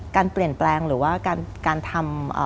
การเปลี่ยนแปลงหรือว่าการทำ